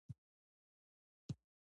د پښو د ستړیا لپاره کومې اوبه وکاروم؟